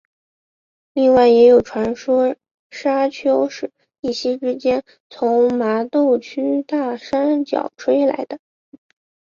另外也有传说砂丘是一夕之间从麻豆区大山脚吹来的。